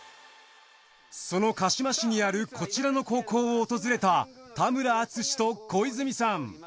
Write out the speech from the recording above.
その鹿嶋市にあるこちらの高校を訪れた田村淳と小泉さん。